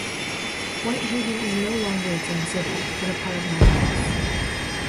Whitehaven is no longer its own city, but a part of Memphis.